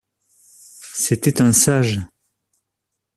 C’était un sage.